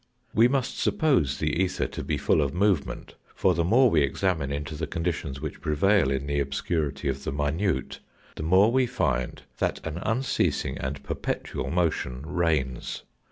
We must suppose the ether to be full of movement, for the more we examine into the conditions which prevail in the obscurity of the minute, the more we find that an unceasing and perpetual motion reigns.